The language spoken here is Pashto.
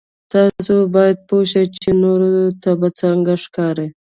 تاسو باید پوه شئ چې نورو ته به څرنګه ښکارئ.